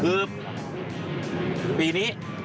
คือปีนี้